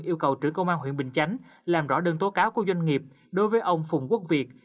yêu cầu trưởng công an huyện bình chánh làm rõ đơn tố cáo của doanh nghiệp đối với ông phùng quốc việt